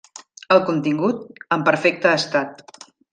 El contingut, en perfecte estat.